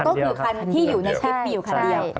ต้องมีคันที่อยู่ในเชฟมีอยู่คันเดียว